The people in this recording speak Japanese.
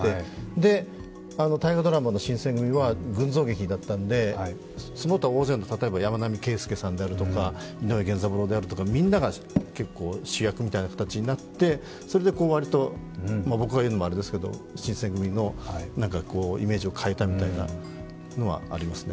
で、大河ドラマの「新選組！」は群像劇だったんでその他大勢の山南さんだったりとか井上源三郎とかみんなが結構主役みたいな形になって、それで割と、僕が言うのもあれですけど、新選組のイメージを変えたみたいなのはありますね。